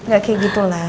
ga kayak gitu lah